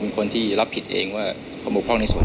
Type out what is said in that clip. มีการที่จะพยายามติดศิลป์บ่นเจ้าพระงานนะครับ